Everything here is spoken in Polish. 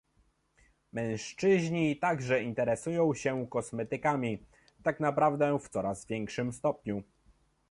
Mężczyźni także interesują się kosmetykami - tak naprawdę w coraz większym stopniu